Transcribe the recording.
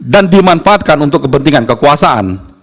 dan dimanfaatkan untuk kepentingan kekuasaan